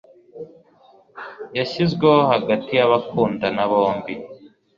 Yashizweho hagati yabakundana bombi